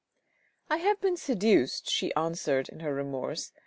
I have been seduced," she answered in her remorse.